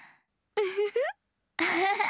ウフフ。